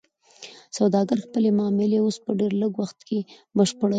سوداګر خپلې معاملې اوس په ډیر لږ وخت کې بشپړوي.